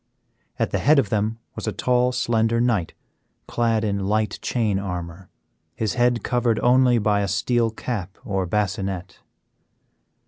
At the head of them was a tall, slender knight clad in light chain armor, his head covered only by a steel cap or bascinet.